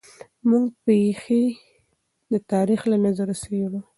موږ پېښې د تاریخ له نظره څېړو.